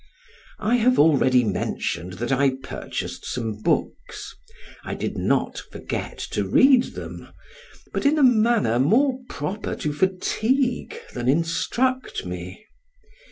I have already mentioned that I purchased some books: I did not forget to read them, but in a manner more proper to fatigue than instruct me.